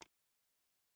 mana ibu udah tidur lagi